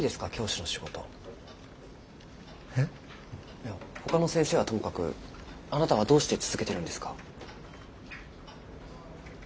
いやほかの先生はともかくあなたはどうして続けてるんですか？